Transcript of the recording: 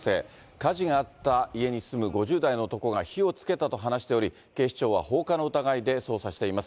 火事があった家に住む５０代の男が火をつけたと話しており、警視庁は放火の疑いで捜査しています。